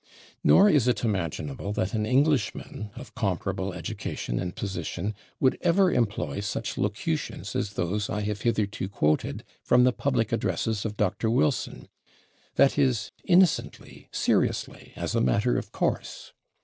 Nor is it imaginable that an Englishman of comparable education and position would ever employ such locutions as those I have hitherto quoted from the public addresses of Dr. Wilson that is, innocently, seriously, as a matter of course.